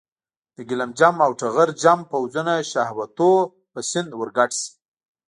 د ګیلم جم او ټغر جم پوځونه شهوتونو په سیند ورګډ شي.